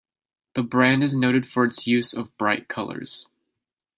The brand is noted for its use of bright colours.